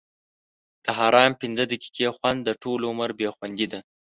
د حرام پنځه دقیقې خوند؛ د ټولو عمر بې خوندي ده.